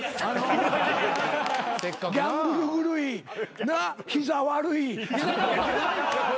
ギャンブル狂いなっ膝悪い。